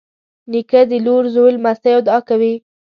نیکه د لور، زوی، لمسيو دعا کوي.